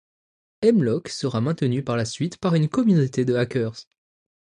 Hemlock sera maintenu par la suite par une communauté de hackers.